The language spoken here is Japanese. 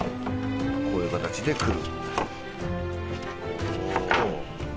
こういう形でくる。